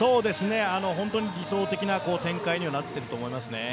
本当に理想的な展開にはなっていると思いますね。